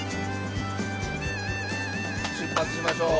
出発しましょう。